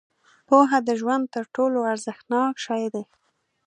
• پوهه د ژوند تر ټولو ارزښتناک شی دی.